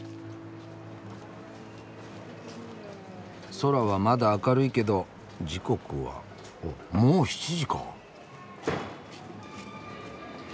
空はまだ明るいけど時刻はおっもう７時か。